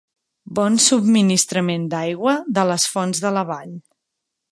Bon subministrament d'aigua de les fonts de la vall.